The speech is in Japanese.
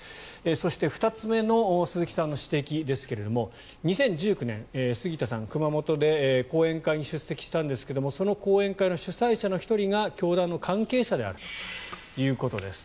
そして、２つ目の鈴木さんの指摘ですが２０１９年、杉田さんは熊本で講演会に出席したんですがその講演会の主催者の１人が教団の関係者であるということです。